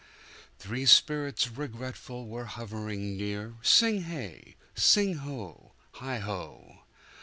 Three spirits regretful were hovering near Sing hey! sing ho! heigho!"